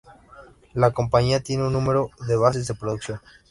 La compañía tiene un número de bases de producción.